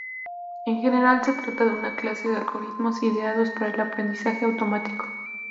En general se trata de una clase de algoritmos ideados para el aprendizaje automático.